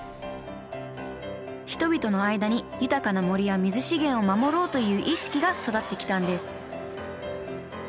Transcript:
人々の間に豊かな森や水資源を守ろうという意識が育ってきたんです